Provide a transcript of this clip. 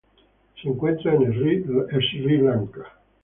Se encuentra en Sri Lanka